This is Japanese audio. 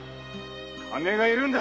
金が要るんだ。